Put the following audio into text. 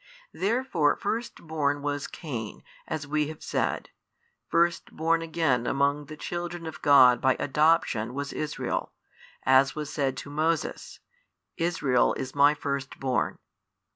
Therefore first born was Cain, as we have said, first born again among the children of God by adoption was Israel, as was said to Moses, Israel is My first born.